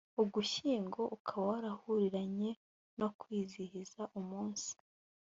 ugushyingo ukaba warahuriranye no kwizihiza umunsi